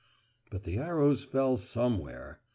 But the arrows fell somewhere.